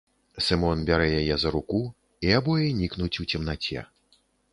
Сымон бярэ яе за руку, і абое нікнуць у цемнаце.